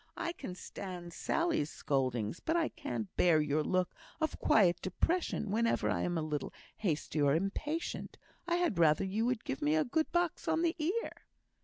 I can stand Sally's scoldings, but I can't bear your look of quiet depression whenever I am a little hasty or impatient. I had rather you would give me a good box on the ear."